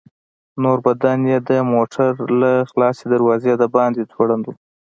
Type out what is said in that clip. نور بدن يې د موټر له خلاصې دروازې د باندې ځوړند و.